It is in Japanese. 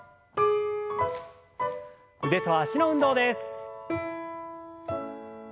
腕と脚の運動です。